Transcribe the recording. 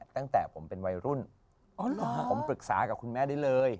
ตั้งแต่ผมเป็นวัยรุ่นผมปรึกษากับคุณแม่ได้เลย